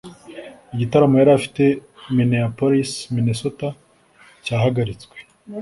Igitaramo yari afite Minneapolis (Minnesota) cyahagaritswe